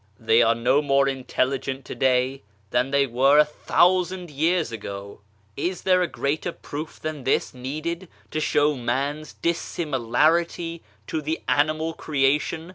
They are no more intelligent to day than they were a LECTURE IN PARIS 65 thousand years ago ! Is there a greater proof than this needed to show man's dissimilarity to the animal creation